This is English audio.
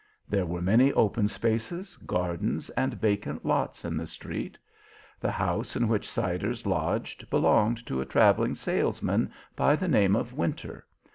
There were many open spaces, gardens and vacant lots in the street. The house in which Siders lodged belonged to a travelling salesman by the name of Winter.